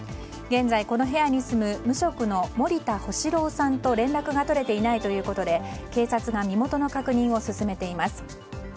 現在、この部屋に住む無職の森田星郎さんと連絡が取れていないということで警察が身元の確認を進めています。